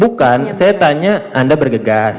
bukan saya tanya anda bergegas